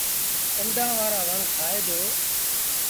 ڪنڊآن وآرآ وڻ کآئي دو۔